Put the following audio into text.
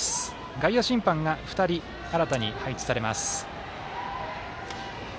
外野審判が２人新たに配置されます。